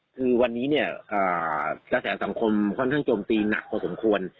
คือวันนี้เนี่ยกระแสสังคมค่อนข้างโจมตีหนักพอสมควร